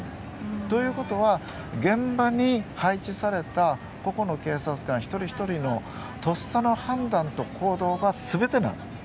ということは現場に配置された個々の警察官一人一人のとっさの判断と行動が全てなんです。